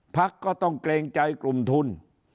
พักก็ต้องเกรงใจกลุ่มทุน